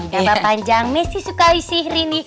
gabah panjang messi sukaisih rini